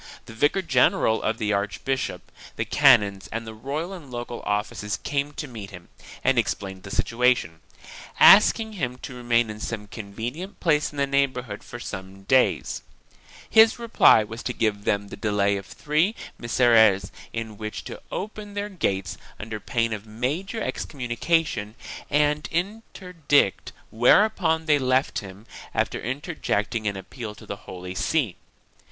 The vicar general of the archbishop, the canons and the royal and local officials came to meet him and explained the situation, ask ing him to remain in some convenient place in the neighborhood for some days. His reply was to give them the delay of three Misereres in which to open their gates under pain of major excom munication and interdict, whereupon they left him, after inter jecting an appeal to the Holy See.